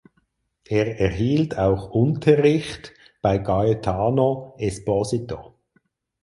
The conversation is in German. Er erhielt auch Unterricht bei Gaetano Esposito.